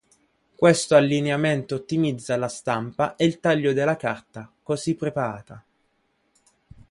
Questo allineamento ottimizza la stampa e il taglio della carta così preparata.